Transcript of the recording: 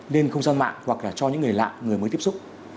lên không gian mạng hoặc là cho những người lạ người mới tiếp xúc